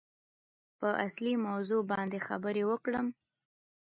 په اصلي موضوع باندې خبرې وکړم.